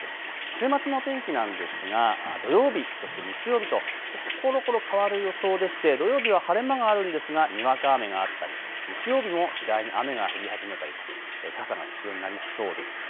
週末の天気なんですが土曜日、日曜日ところころ変わる予想でして土曜日は晴れ間があるんですがにわか雨があったり日曜日も次第に雨が降り始めたりと傘が必要になりそうです。